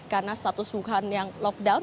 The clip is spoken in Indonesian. karena status wuhan yang lockdown